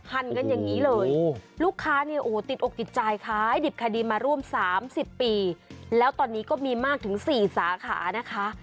กันอย่างนี้เลยลูกค้าเนี่ยติดอกติดใจคล้ายดิบคดีมาร่วมสามสิบปีแล้วตอนนี้ก็มีมากถึงสี่สาขานะคะ